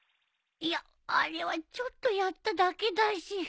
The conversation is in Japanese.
いやあれはちょっとやっただけだし。